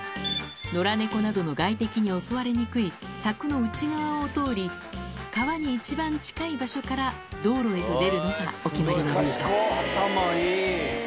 野良猫などの外敵に襲われにくい柵の内側を通り、川に一番近い場所から道路へと出るのがお決まりのルート。